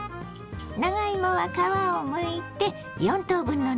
長芋は皮をむいて４等分の長さに。